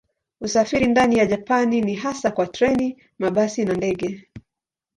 Usafiri ndani ya Japani ni hasa kwa treni, mabasi na ndege.